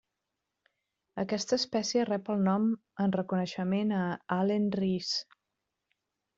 Aquesta espècie rep el nom en reconeixement a Allen Rees.